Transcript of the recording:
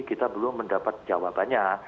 kita belum mendapat jawabannya